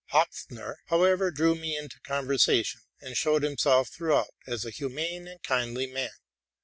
Hopfner, however, drew me into conversation, and showed himself throughout as a humane and kindly man.